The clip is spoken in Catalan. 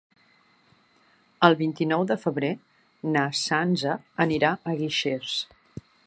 El vint-i-nou de febrer na Sança anirà a Guixers.